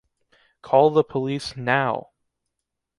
Call the police now!